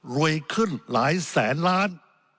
รวยขึ้นหลายแสนล้าน